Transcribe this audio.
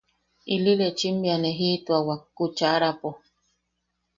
Ili lechim bea ne jiʼituawak kuchaʼarapo.